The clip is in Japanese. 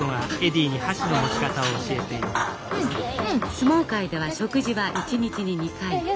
相撲界では食事は一日に２回。